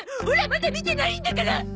オラまだ見てないんだから！